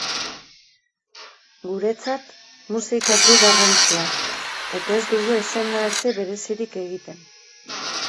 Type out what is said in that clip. Guretzat musikak du garrantzia, eta ez dugu eszenaratze berezirik egiten.